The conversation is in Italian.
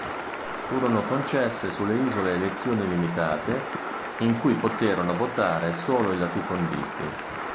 Furono concesse sulle isole elezioni limitate, in cui poterono votare solo i latifondisti.